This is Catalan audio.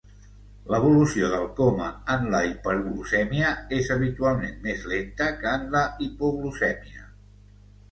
L'evolució del coma en la hiperglucèmia és habitualment més lenta que en la hipoglucèmia.